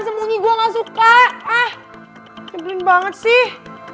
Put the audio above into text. sembunyi gua enggak suka ah keren banget sih